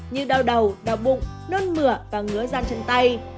như đau đầu đau bụng nôn mửa và ngứa dan chân tay